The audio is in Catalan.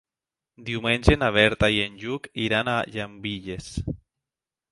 Diumenge na Berta i en Lluc iran a Llambilles.